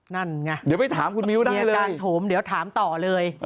นั่นไงเดี๋ยวไปถามคุณมิวได้เลยมีการโถมถามต่อเลย